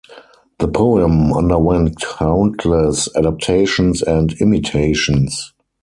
The poem underwent countless adaptations and imitations.